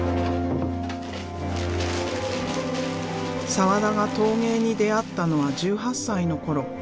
澤田が陶芸に出会ったのは１８歳の頃。